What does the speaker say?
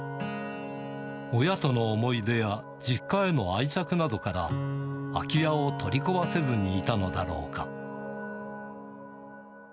親との思い出や実家への愛着などから、空き家を取り壊せずにいたのだろうか。